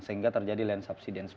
sehingga terjadi land subsidence